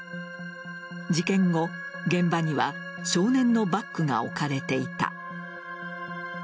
事件後、現場には少年のバッグが置かれていた。